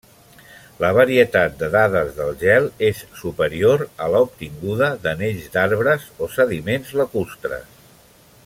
La varietat de dades del gel és superior a l'obtinguda d'anells d'arbres o sediments lacustres.